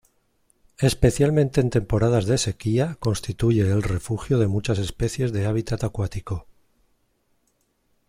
Especialmente en temporadas de sequía, constituye el refugio de muchas especies de hábitat acuático.